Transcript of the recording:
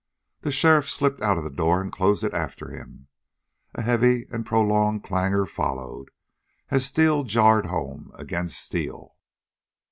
The sheriff slipped out of the door and closed it after him. A heavy and prolonged clangor followed, as steel jarred home against steel.